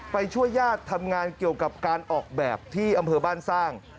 ไปช่วยญาติทำงานเกี่ยวกับการออกแบบที่อำเภอบ้านสร้าง